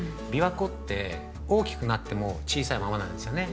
琵琶湖って大きくなっても小さいままなんですよね。